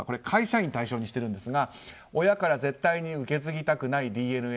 会社員を対象にしてるんですが親から絶対に受け継ぎたくないＤＮＡは？